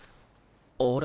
あれ？